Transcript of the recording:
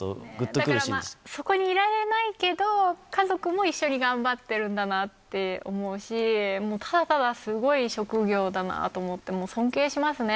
だから、そこにいられないけど、家族も一緒に頑張ってるんだなって思うし、ただただすごい職業だなと思って、尊敬しますね。